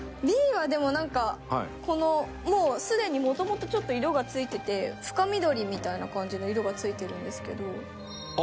Ｂはでもなんかこのもうすでにもともとちょっと色がついてて深緑みたいな感じの色がついてるんですけど。